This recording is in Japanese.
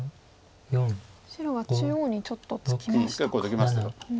白は中央にちょっとつきましたか。